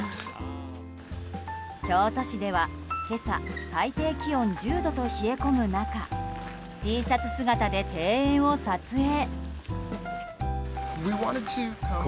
京都市では今朝最低気温１０度と冷え込む中Ｔシャツ姿で庭園を撮影。